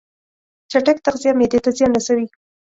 چټک تغذیه معدې ته زیان رسوي.